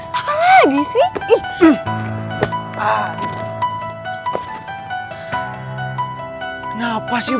apa lagi sih